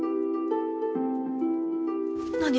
何？